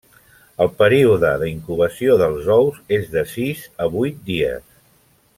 El període d'incubació dels ous és de sis a vuit dies.